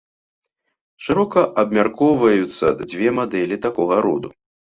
Шырока абмяркоўваюцца дзве мадэлі такога роду.